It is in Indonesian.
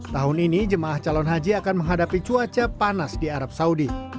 tahun ini jemaah calon haji akan menghadapi cuaca panas di arab saudi